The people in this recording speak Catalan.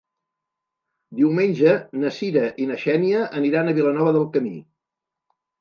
Diumenge na Cira i na Xènia aniran a Vilanova del Camí.